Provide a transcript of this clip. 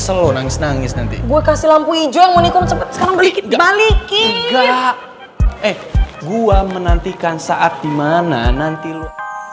eh gue menantikan saat dimana nanti lo